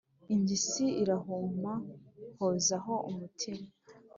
Impyisi irahuma hozaho umutima.